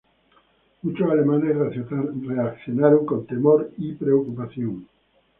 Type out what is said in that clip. Muchos alemanes reaccionaron con temor y preocupación.